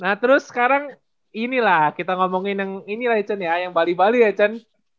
nah terus sekarang inilah kita ngomongin yang ini lah ya cen ya yang bali bali ya cen